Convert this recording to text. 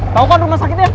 tau kan rumah sakitnya